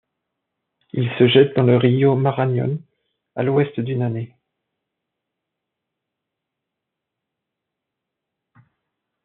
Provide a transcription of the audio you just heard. Il se jette dans le Río Marañón à l'ouest du Nanay.